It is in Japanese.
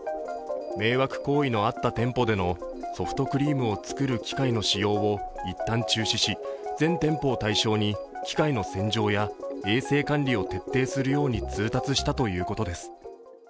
迷惑行為のあった店舗でのソフトクリームを使う機械の使用をいったん中止し、全店舗を対象に機械の洗浄や衛生管理を徹底するよう通達したということです。